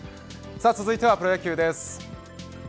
続いてはプロ野球です。